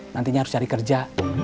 nantinya harus cari kerja